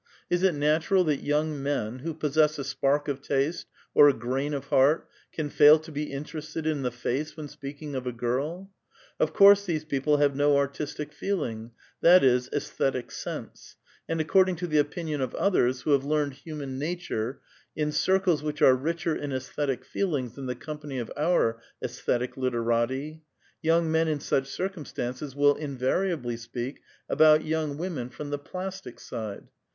Is it natural that young men, who possess a spark of taste, or a grain of heart, can fail to be interested in the face when speaking of a girl? Of course these people have no artistic feeling ; that is, aesthetic sense : and according to tlie oi)inion of others, who have learned human nature in circles which are richer in aesthetic feelings than the company of our aisthetic literati, young men in such circumstances will invariably speak about young women from the plastic side.